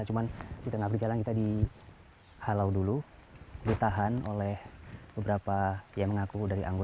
untuk menyatakan bahwa kita memiliki izin untuk menuju ke lokasi angel revenue functionatu